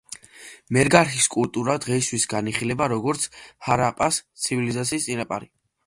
მერგარჰის კულტურა დღეისათვის განიხილება როგორც ჰარაპას ცივილიზაციის წინაპარი.